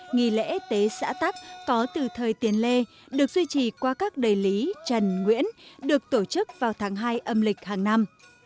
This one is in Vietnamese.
nghỉ lễ tế xã tắc có từ thời tiền lê được duy trì qua các đầy lý trần nguyễn được tổ chức vào tháng hai âm lịch hàng năm